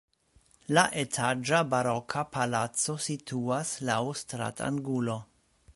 La etaĝa baroka palaco situas laŭ stratangulo.